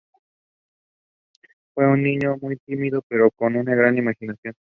Fue un niño muy tímido, pero con una gran imaginación.